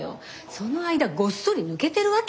その間ごっそり抜けてるわけ？